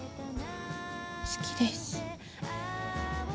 好きです。